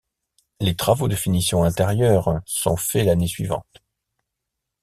Les travaux de finition intérieure sont faits l'année suivante.